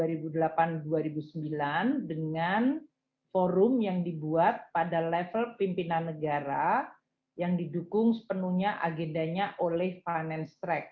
ini terjadi pada tahun dua ribu delapan dua ribu sembilan dengan forum yang dibuat pada level pimpinan negara yang didukung sepenuhnya agendanya oleh finance track